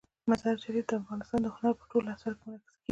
مزارشریف د افغانستان د هنر په ټولو اثارو کې منعکس کېږي.